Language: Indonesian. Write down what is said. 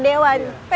dan men argentik